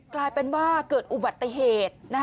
กลายเป็นว่าเกิดอุบัติเหตุ